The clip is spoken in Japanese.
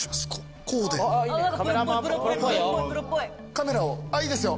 カメラをああいいですよ。